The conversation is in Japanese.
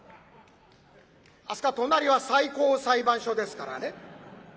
あそこは隣は最高裁判所ですからね。